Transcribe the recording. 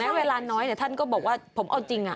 และเวลาน้อยท่านก็บอกว่าผมเอาจริง